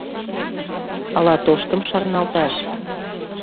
Ала тоштым шарналташ?